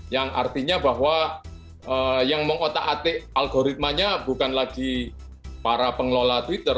yang artinya bahwa yang mengotak atik algoritmanya bukan lagi para pengelola twitter